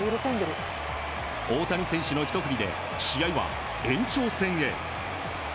大谷選手のひと振りで試合は延長戦へ。